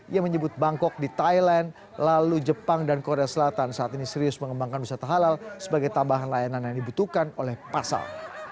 ia menyebut bangkok di thailand lalu jepang dan korea selatan saat ini serius mengembangkan wisata halal sebagai tambahan layanan yang dibutuhkan oleh pasar